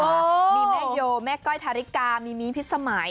มีแม่โยแม่ก้อยทาริกามีมิ้งพิษสมัย